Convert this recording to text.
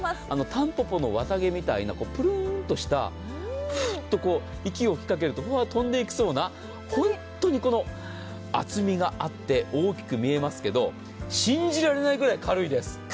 たんぽぽの綿毛みたいなプルーンとした、ふーっと息を吹きかけると飛んでいきそうな本当に厚みがあって大きく見えますけれども、信じられないぐらい軽いです。